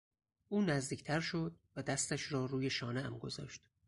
او نزدیکتر شد و دستش را روی شانهام گذاشت.